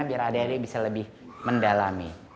untuk adik adik bisa lebih mendalami